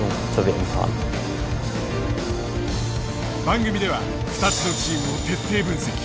番組では２つのチームを徹底分析。